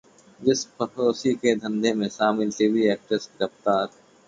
जिस्मफरोशी के धंधे में शामिल टीवी एक्ट्रेस गिरफ्तार